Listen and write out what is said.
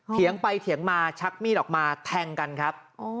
เถียงไปเถียงมาชักมีดออกมาแทงกันครับ